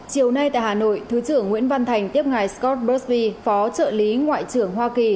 chiều nay tại hà nội thứ trưởng nguyễn văn thành tiếp ngài scott bursv phó trợ lý ngoại trưởng hoa kỳ